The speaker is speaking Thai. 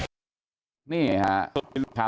แต่วันนี้แม่ค้าทุกคนมั่นใจว่าสู้คืนไหม